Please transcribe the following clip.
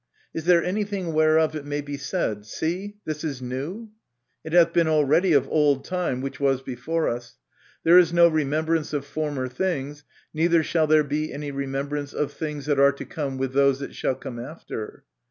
Is there anything whereof it may be said, See, this is new ? it hath been already of old time, which was before us. There is no remembrance of former things ; neither shall there be any remembrance of things that are to come with those that shall come after.